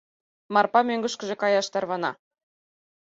Марпа мӧҥгышкыжӧ каяш тарвана.